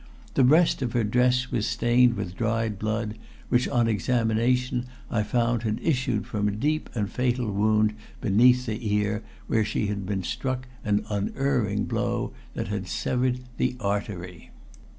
The breast of her dress was stained with dried blood, which, on examination, I found had issued from a deep and fatal wound beneath the ear where she had been struck an unerring blow that had severed the artery.